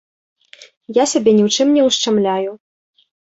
Я сябе ні ў чым не ўшчамляю.